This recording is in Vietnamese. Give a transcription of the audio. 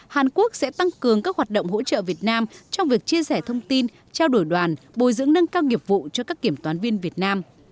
hàn quốc sẽ tăng cường các hoạt động hỗ trợ việt nam trong việc chia sẻ thông tin trao đổi đoàn bồi dưỡng nâng cao nghiệp vụ cho các kiểm toán viên việt nam